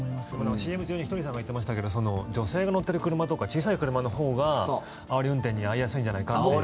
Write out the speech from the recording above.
ＣＭ中にひとりさんが言ってましたけど女性が乗ってる車とかのほうがあおり運転遭いやすいんじゃないかって。